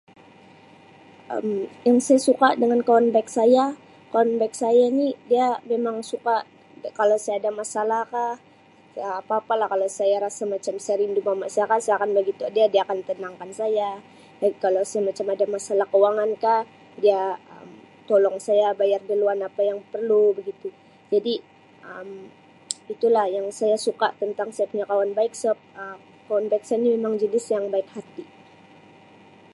Um Yang saya suka dengan kawan baik saya kawan baik saya ni dia memang suka kalau saya ada masalahkah apa-apalah kalau saya rasa macam saya rindu mama saya kan saya akan bagitau dia dia akan tenangkan saya dan kalau saya macam ada masalah kewangan kah dia tolong saya bayar duluan apa yang perlu begitu jadi [Um]itu lah yang suka tentang saya punya kawan baik sebab[Um] kawan baik saya ni memang jenis yang baik hati.